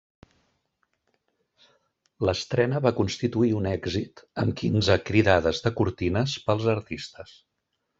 L'estrena va constituir un èxit, amb quinze cridades de cortines pels artistes.